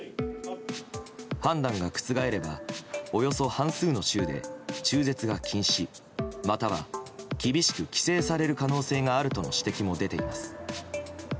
判断が覆れば、およそ半数の州で中絶が禁止、または厳しく規制される可能性があるとの指摘も出ています。